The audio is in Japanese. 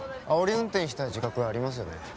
あおり運転した自覚ありますよね